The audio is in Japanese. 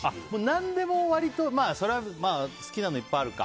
何でも割と好きなのいっぱいあるか。